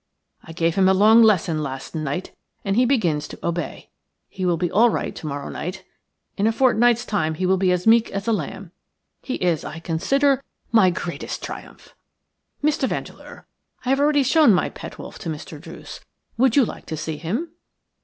I gave him a long lesson last night, and he begins to obey. He will be all right to morrow night. In a fortnight's time he will be as meek as a Iamb. He is, I consider, my greatest triumph. Mr. Vandeleur, I have already shown my pet wolf to Mr. Druce; would you like to see him?"